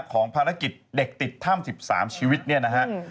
ของภารกิจเด็กติดถ้ำ๑๓ชีวิตเนี่ยนะฮะ